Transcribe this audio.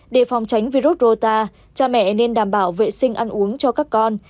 để phòng tránh virus rota cha mẹ nên đảm bảo vệ sinh ăn uống cho các con